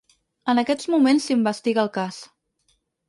En aquests moments s’investiga el cas.